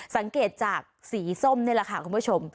สังเกตจากสีส้มนี่แหละค่ะคุณผู้ชม